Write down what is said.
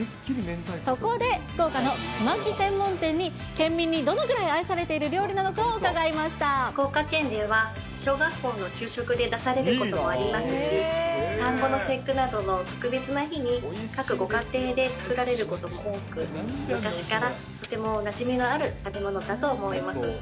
そこで、福岡のちまき専門店に、県民にどのぐらい愛されている料理なのか福岡県では小学校の給食で出されることもありますし、端午の節句などの特別な日に各ご家庭で作られることも多く、昔からとてもなじみのある食べ物だと思います。